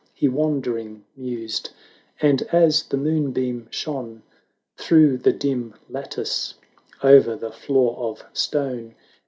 190 He wandering mused, and as the moon beam shone Through the dim lattice, o'er the floor of stone.